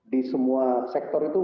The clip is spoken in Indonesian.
di semua sektor itu